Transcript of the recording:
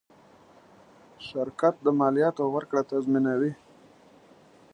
شرکت د مالیاتو ورکړه تضمینوي.